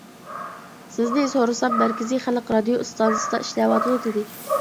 سىزنى سورىسام، مەركىزىي خەلق رادىيو ئىستانسىسىدا ئىشلەۋاتىدۇ، دېدى.